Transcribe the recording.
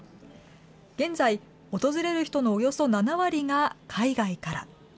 現在、訪れる人のおよそ７割が海外から。